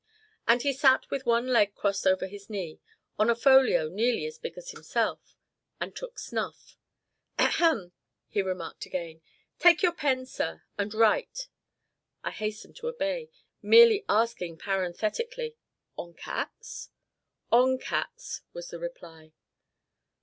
And he sat with one leg crossed over his knee, on a folio nearly as big as himself, and took snuff. "Ahem!" he remarked again, "take your pen, sir, and write." I hastened to obey, merely asking parenthetically, "On cats?" "On cats," was the reply.